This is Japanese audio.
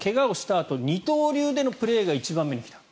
あと二刀流でのプレーが１番目に来た。